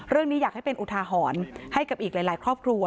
เรื่องนี้อยากให้เป็นอุทาหรณ์ให้กับอีกหลายครอบครัว